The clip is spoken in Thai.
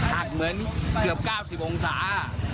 เหมือนเกือบ๙๐องศา